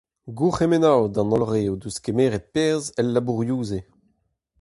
Gourc'hemennoù d'an holl re o deus kemeret perzh el labourioù-se !